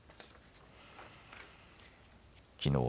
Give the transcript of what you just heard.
きのう